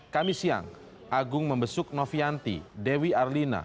kami siang agung membesuk novianti dewi arlina